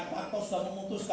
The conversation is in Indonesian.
pak tato sudah memutuskan